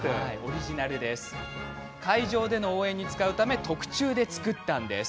会場での応援に使うために特注で作ったんです。